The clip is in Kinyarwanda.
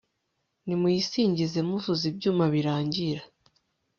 nimuyisingize muvuza ibyuma birangira